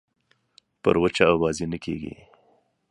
پر وچه اوبازي نه کېږي.